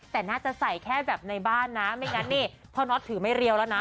แต่น่าจะใส่แค่แบบในบ้านนะไม่งั้นนี่พ่อน็อตถือไม่เรียวแล้วนะ